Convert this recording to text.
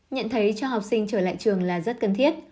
nhận thấy cho học sinh trở lại trường là rất cần thiết